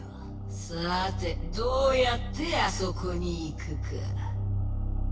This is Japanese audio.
さてどうやってあそこに行くか。